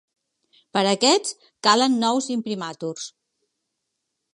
Per a aquests, calen nous imprimaturs.